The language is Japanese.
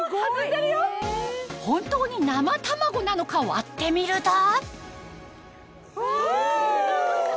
本当に生卵なのか割ってみるとうわ生だ！